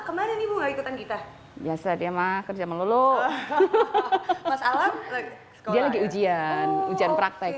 kemarin ibu ikutan kita biasa dia mah kerja melulu mas alam dia lagi ujian ujian praktek